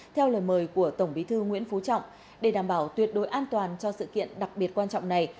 theo lời mời của tổng bí thư nguyễn phú trọng để đảm bảo tuyệt đối an toàn cho sự kiện đặc biệt quan trọng này